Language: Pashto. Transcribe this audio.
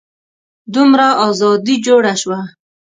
دومره ازادي جوړه شوه.